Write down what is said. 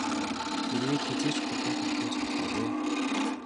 Эргээд хэзээ ч хурдан хурдан цохилоогүй ээ.